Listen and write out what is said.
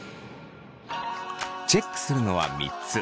チェックするのは３つ。